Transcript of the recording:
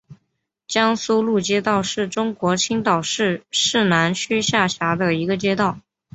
江苏路街道是中国青岛市市南区下辖的一个街道。